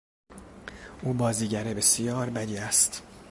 او بازیگر بسیار بدی است.